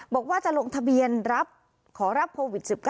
บอกว่าจะลงทะเบียนรับขอรับโควิด๑๙